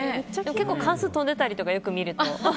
結構、巻数飛んでたりとかよく見ると。